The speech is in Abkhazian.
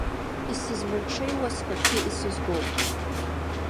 Исызмырҽеиуа схахьы исызгом.